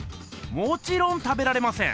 もちろん食べられません。